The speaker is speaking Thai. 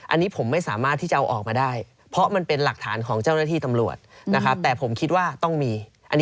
อันนี้ผมไม่สามารถที่จะเอาออกมาได้